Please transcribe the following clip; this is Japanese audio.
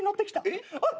えっ？